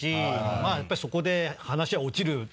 まぁやっぱりそこで話は落ちる。